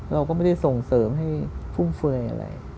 เราก็ไม่ได้ส่งเสริมให้ฟุ่มเฟยอะไร